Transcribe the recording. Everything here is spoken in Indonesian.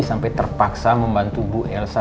sampai terpaksa membantu bu elsa